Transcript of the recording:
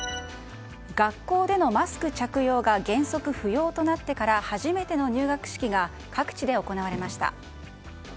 学校でのマスク着用が原則不要となってから初めての入学式が各地で行われました。